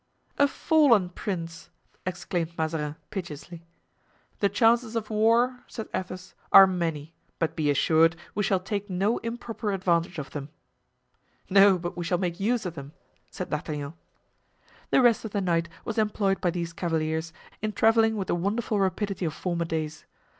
"A fallen prince!" exclaimed Mazarin, piteously. "The chances of war," said Athos, "are many, but be assured we shall take no improper advantage of them." "No, but we shall make use of them," said D'Artagnan. The rest of the night was employed by these cavaliers in traveling with the wonderful rapidity of former days.